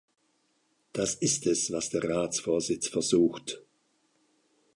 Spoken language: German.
Das ist es, was der Ratsvorsitz versucht.